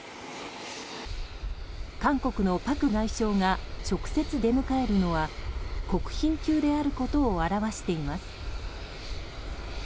韓国のパク外相が直接、出迎えるのは国賓級であることを表しています。